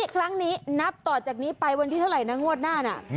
ครั้งนี้นับต่อจากนี้ไปวันที่เท่าไหร่นะงวดหน้าน่ะ